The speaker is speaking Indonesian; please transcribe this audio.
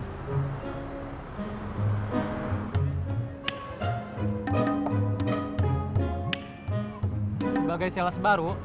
sebagai seles baru